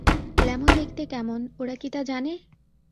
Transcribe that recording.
Lemon দেখতে কেমন ওরা কি তা জানে?